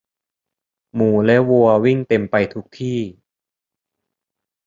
หมูและวัววิ่งเต็มไปทุกที่